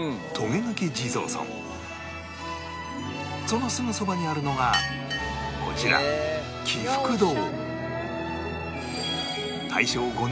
そのすぐそばにあるのがこちら喜福堂